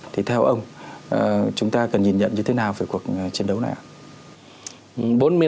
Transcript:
thì theo ông chúng ta cần nhìn nhận như thế nào về cuộc chiến đấu này ạ